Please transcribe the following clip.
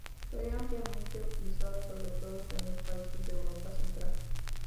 Fue ampliamente utilizada sobre todo en los países de Europa Central.